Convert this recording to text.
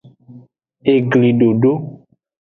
Eglidodo.